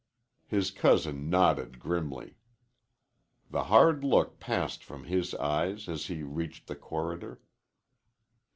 His cousin nodded grimly. The hard look passed from his eyes as he reached the corridor.